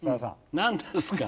何ですか？